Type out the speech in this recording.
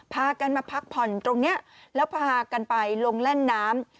พากันมาพักผ่อนตรงนี้แล้วพากันไปลงเล่นน้ำ